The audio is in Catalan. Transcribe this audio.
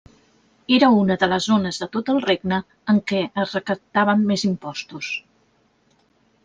Era una de les zones de tot el regne en què es recaptaven més impostos.